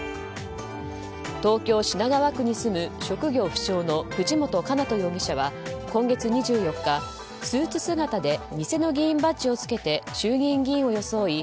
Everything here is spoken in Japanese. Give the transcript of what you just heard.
東京・品川区に住む職業不詳の藤本叶人容疑者は今月２４日、スーツ姿で偽の議員バッジをつけて衆議院議員を装い